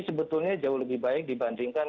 sebetulnya jauh lebih baik dibandingkan